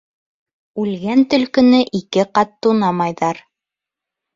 Үлгән төлкөнө ике ҡат тунамайҙар.